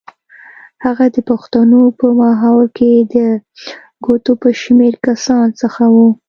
هغه د پښتنو په ماحول کې د ګوتو په شمېر کسانو څخه و.